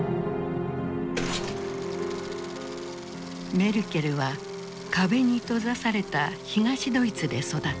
メルケルは壁に閉ざされた東ドイツで育った。